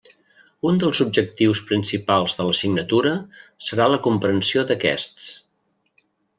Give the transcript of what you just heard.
Un dels objectius principals de l'assignatura serà la comprensió d'aquests.